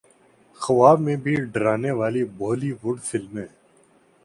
خواب میں بھی ڈرانے والی بولی وڈ فلمیں